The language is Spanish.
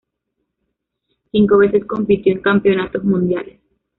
Cinco veces compitió en Campeonatos Mundiales.